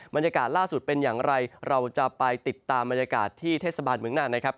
บรรยากาศล่าสุดเป็นอย่างไรเราจะไปติดตามบรรยากาศที่เทศบาลเมืองน่านนะครับ